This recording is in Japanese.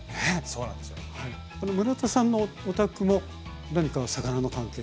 村田さんのお宅も何かの魚の関係が？